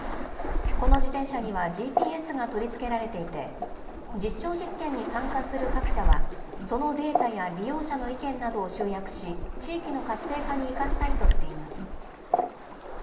この自転車にはＧＰＳが取り付けられていて、実証実験に参加する各社はそのデータや利用者の意見などを集約し、地域の活性化に生かしたいとしています。